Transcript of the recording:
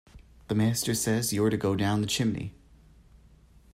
The master says you’re to go down the chimney!